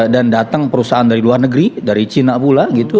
dan datang perusahaan dari luar negeri dari cina pula gitu